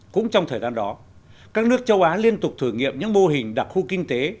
cũng trong thời gian đó các nước châu á liên tục thử nghiệm những mô hình đặc khu kinh tế